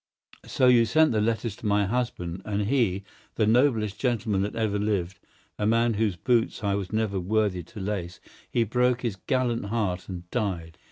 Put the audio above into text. "So you sent the letters to my husband, and he—the noblest gentleman that ever lived, a man whose boots I was never worthy to lace—he broke his gallant heart and died.